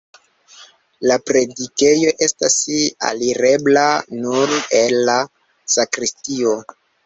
La predikejo estas alirebla nur el la sakristio.